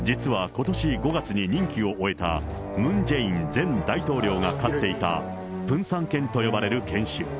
実はことし５月に任期を終えたムン・ジェイン前大統領が飼っていたプンサン犬と呼ばれる犬種。